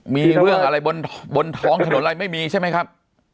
มีเรื่องอะไรบนท้องถนนอะไรไม่มีใช่ไหมครับ